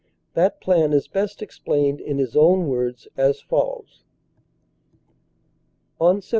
That plan is best explained in his own words, as follows : "On Sept.